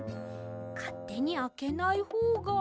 かってにあけないほうが。